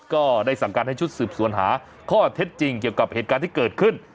ก็ได้สั่งการให้ชุดสืบสวนหาข้อเท็จจริงเกี่ยวกับเหตุการณ์ที่เกิดขึ้น